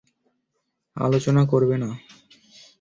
আলোচনা করবে না।